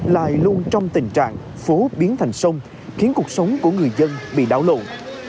lại luôn trong tình trạng phố biến thành sông khiến cuộc sống của người dân bị đảo lộn